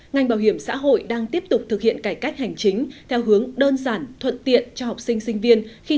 ngành bảo hiểm xã hội đang tiếp tục thực hiện cải cách hành chính theo hướng đơn giản thuận tiện cho học sinh sinh viên